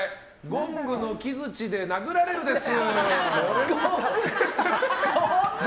ゴングの木槌で殴られるです。